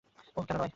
ওহ, কেন নয়?